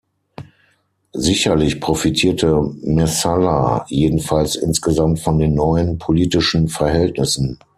Sicherlich profitierte Messalla jedenfalls insgesamt von den neuen politischen Verhältnissen.